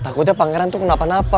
takutnya pangeran tuh kenapa napa